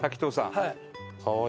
はい。